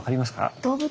動物？